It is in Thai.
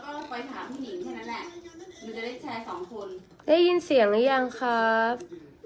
จะได้แชร์สองคนได้ยินเสียงหรือยังครับ